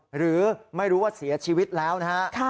หรือไม่รู้ว่าเสียชีวิตแล้วนะฮะ